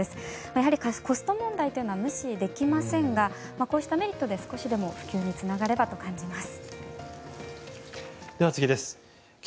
やはりコスト問題というのは無視できませんがこうしたメリットで、少しでも普及につながればと感じます。